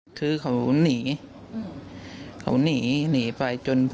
อะไรไปกับผู้ต้องเขาก็หยุดผู้ต้อง